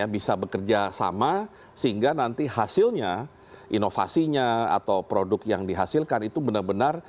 bisa bekerja sama sehingga nanti hasilnya inovasinya atau produk yang dihasilkan itu benar benar